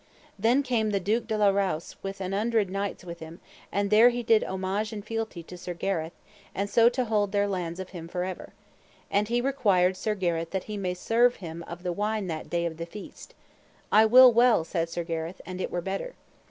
Then came the Duke de la Rowse with an hundred knights with him, and there he did homage and fealty to Sir Gareth, and so to hold their lands of him for ever. And he required Sir Gareth that he might serve him of the wine that day of that feast. I will well, said Sir Gareth, and it were better.